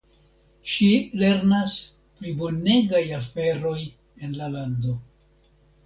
Ŝi lernas pri bonegaj aferoj en la lando.